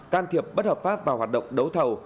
can thiệp bất hợp pháp vào hoạt động đấu thầu